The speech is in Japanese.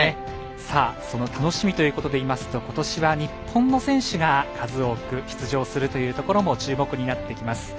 その楽しみということで言いますと、今年は日本の選手が数多く出場するというところも注目になってきます。